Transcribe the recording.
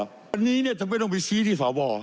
วันนี้จะไม่ต้องไปชี้ที่สอบอ